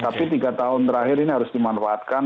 tapi tiga tahun terakhir ini harus dimanfaatkan